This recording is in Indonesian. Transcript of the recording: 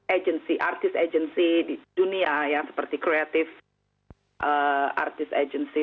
artis artis agensi di dunia ya seperti kreatif artist agency